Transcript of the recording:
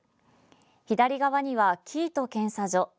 左側には生糸検査所。